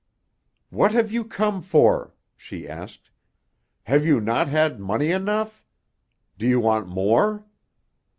"What have you come for?" she asked. "Have you not had money enough? Do you want more?"